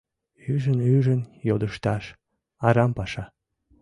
Ӱжын-ӱжын йодышташ — арам паша.